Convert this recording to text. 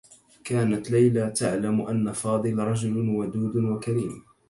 كانت ليلى تعلم أنّ فاضل رجل ودود و كريم.